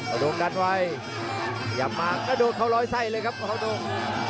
อ่าวดงดันไว้พยายามมากระโดดเขารอยไส้เลยครับอ่าวดง